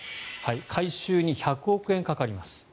改修に１００億円かかります。